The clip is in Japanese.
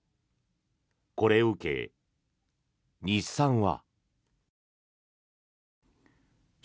これを受け、日産は。